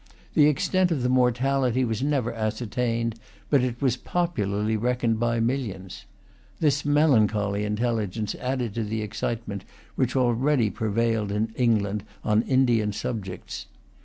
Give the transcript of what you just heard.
The extent of the mortality was never ascertained; but it was popularly reckoned by millions. This melancholy intelligence added to the excitement which already prevailed in England on Indian subjects.